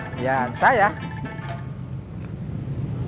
unten gak kenalin